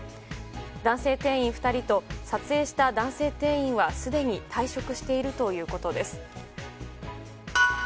男性店員２人と撮影した男性店員はすでに退職しているということです。